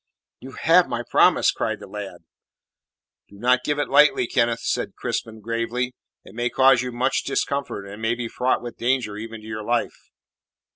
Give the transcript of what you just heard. "You have my promise!" cried the lad. "Do not give it lightly, Kenneth," said Crispin gravely. "It may cause you much discomfort, and may be fraught with danger even to your life."